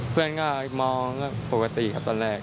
เพื่อนก็มองปกติครับตอนแรก